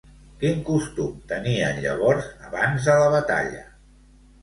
Quin costum tenien llavors abans de la batalla?